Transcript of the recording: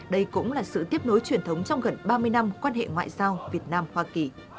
đây cũng là sự tiếp nối truyền thống trong gần ba mươi năm quan hệ ngoại giao việt nam hoa kỳ